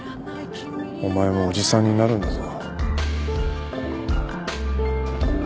お前もおじさんになるんだぞ。